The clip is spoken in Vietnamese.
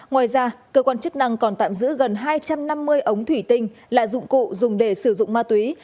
ngoài ra cơ quan chức năng còn tạm giữ gần hai trăm năm mươi ống thủy tinh là dụng cụ dùng để sử dụng ma túy